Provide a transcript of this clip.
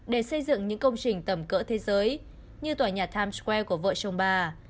để xây dựng những công trình tầm cỡ thế giới như tòa nhà times square của vợ chồng bà